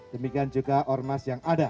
demikian juga ormas